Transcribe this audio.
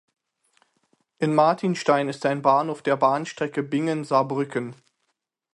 In Martinstein ist ein Bahnhof der Bahnstrecke Bingen–Saarbrücken.